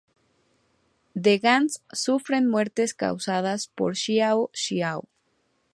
The gangs sufren muertes causadas por Xiao Xiao.